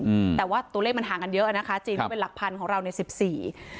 อืมแต่ว่าตัวเลขมันห่างกันเยอะอ่ะนะคะจีนก็เป็นหลักพันของเราในสิบสี่